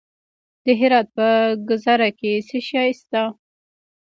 د هرات په ګذره کې څه شی شته؟